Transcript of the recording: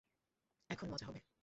এখন মজা হবে।